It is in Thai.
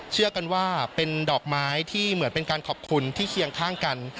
เชื่อกันว่าเป็นดอกไม้ที่เหมือนเป็นการขอบคุณที่เคียงข้างกัน